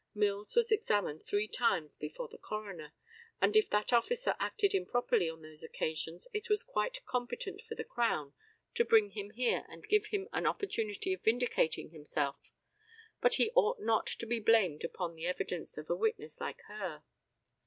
Mills was examined three times before the coroner, and if that officer acted improperly on those occasions it was quite competent for the Crown to bring him here and give him an opportunity of vindicating himself, but he ought not to be blamed upon the evidence of a witness like her.